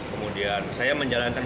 kemudian saya menjalankan